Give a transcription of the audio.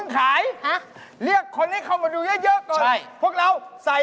ขายของอย่าเพิ่งขาย